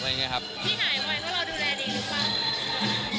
พี่หายวัน๐๐พะรอดูแลดีหรือว่ะ